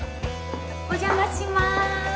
お邪魔します